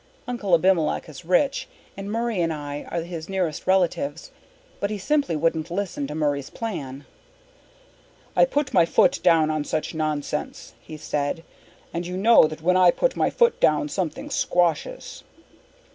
Uncle Abimelech is rich, and Murray and I are his nearest relatives. But he simply wouldn't listen to Murray's plan. "I put my foot firmly down on such nonsense," he said. "And you know that when I put my foot down something squashes."